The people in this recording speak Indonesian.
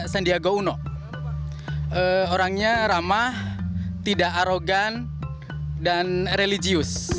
sandiaga uno orangnya ramah tidak arogan dan religius